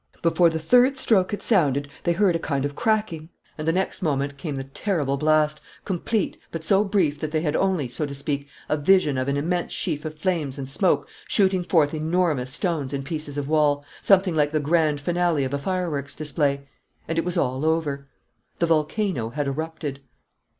Before the third stroke had sounded they heard a kind of cracking, and, the next moment, came the terrible blast, complete, but so brief that they had only, so to speak, a vision of an immense sheaf of flames and smoke shooting forth enormous stones and pieces of wall, something like the grand finale of a fireworks display. And it was all over. The volcano had erupted.